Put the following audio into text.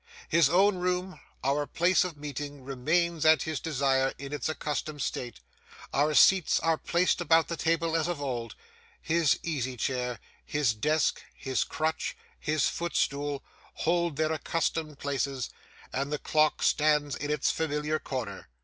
His own room, our place of meeting, remains, at his desire, in its accustomed state; our seats are placed about the table as of old; his easy chair, his desk, his crutch, his footstool, hold their accustomed places, and the clock stands in its familiar corner.